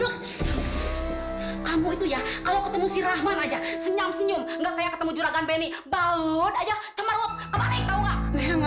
kamu itu ya kalau ketemu si rahman aja senyum senyum ketemu juragan benny bau aja